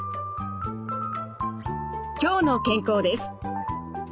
「きょうの健康」です。